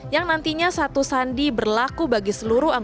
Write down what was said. yang nantinya satu sandi berlaku bagi seluruh anggota